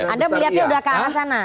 anda melihatnya sudah ke arah sana